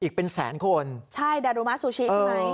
อีกเป็นแสนคนใช่ดารุมะซูชิใช่ไหม